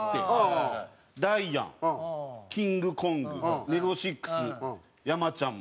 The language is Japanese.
ダイアンキングコングネゴシックス山ちゃん。